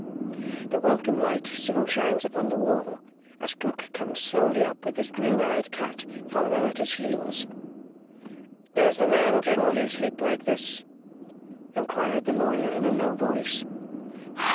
The welcome light soon shines upon the wall, as Krook comes slowly up with his green eyed cat following at his heels. "Does the man generally sleep like this?" inquired the lawyer in a low voice.